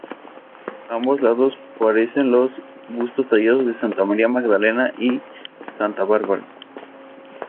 A ambos lados aparecen los bustos tallados de Santa María Magdalena y Santa Bárbara.